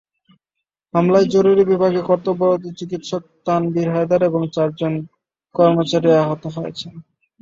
হামলায় জরুরি বিভাগে কর্তব্যরত চিকিৎসক তানভির হায়দার এবং চারজন কর্মচারী আহত হয়েছেন।